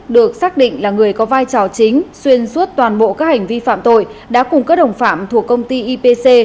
được xác định là người có vai trò chính xuyên suốt toàn bộ các hành vi phạm tội đã cùng các đồng phạm thuộc công ty ipc